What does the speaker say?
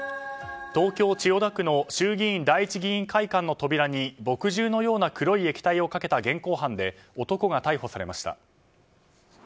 東京・千代田区の衆議院第一議員会館の扉に墨汁のような黒い液体をかけた現行犯で男が逮捕されました。